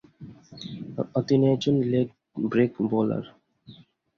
তিনি একজন leg break bowler.